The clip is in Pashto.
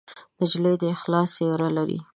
نجلۍ د اخلاص څېره لري.